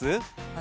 私？